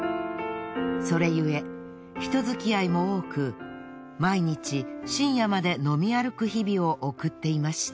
それゆえ人付き合いも多く毎日深夜まで飲み歩く日々を送っていました。